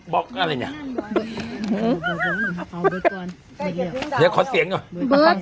บอกอะไรเนี้ยขอเสียงล่ะเบิร์ทเบิร์ทชาวเมศ์